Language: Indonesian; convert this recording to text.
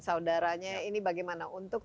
saudaranya ini bagaimana untuk